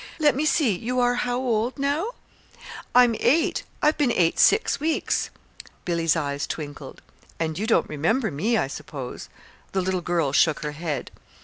Let me see, you are how old now?" "I'm eight. I've been eight six weeks." Billy's eyes twinkled. "And you don't remember me, I suppose." The little girl shook her head.